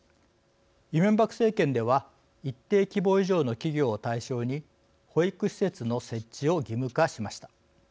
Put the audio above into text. イ・ミョンバク政権では一定規模以上の企業を対象に保育施設の設置を義務化しました。